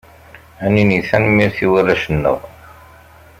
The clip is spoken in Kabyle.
Ad nini tanemmirt i warrac-nneɣ!